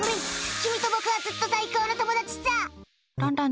君と僕は最高の友達さ！